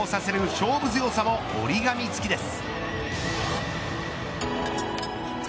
勝負強さも折り紙付きです。